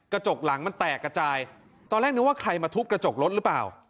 กระจกหลังมันแตกกระจายตอนแรกนึกว่าใครมาทุบกระจกรถหรือเปล่า